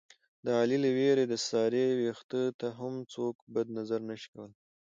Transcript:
د علي له وېرې د سارې وېښته ته هم څوک بد نظر نشي کولی.